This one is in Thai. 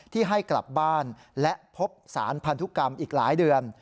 ให้กลับบ้านและพบสารพันธุกรรมอีกหลายเดือน